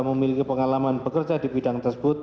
memiliki pengalaman bekerja di bidang tersebut